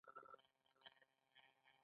ډاکټر وويل تا خو دا ډېر په اسانه وويل.